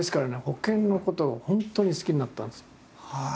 保険のことが本当に好きになったんですよ。